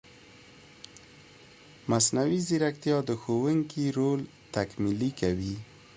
مصنوعي ځیرکتیا د ښوونکي رول تکمیلي کوي.